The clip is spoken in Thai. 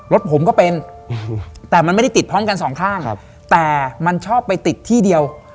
รถผมก็เป็นแต่มันไม่ได้ติดพร้อมกันสองข้างแต่มันชอบไปติดที่เดียว